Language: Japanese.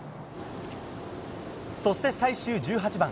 そして最終１８番。